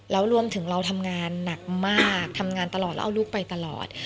แล้วรวมถึงเราทำงานหนักมากทำงานตลอดแล้วเอาลูกไปตลอด